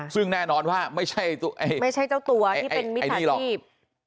ซึ่งแน่นอนว่าไม่ใช่เจ้าตัวที่เป็นมิจฉาชีพ